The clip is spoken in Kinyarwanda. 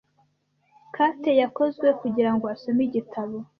Kate yakozwe kugirango asome igitabo.